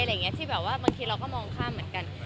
อะไรเงี้ยที่แบบว่าบางทีเราก็มองฆ่ามเหมือนกัน